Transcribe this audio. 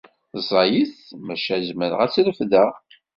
Ẓẓayet maca zemreɣ ad tt-refdeɣ.